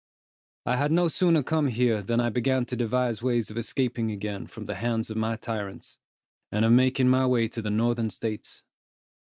I had no sooner come here, than I began to devise ways of escaping again from the hands of my tyrants, and of making my way to the northern States.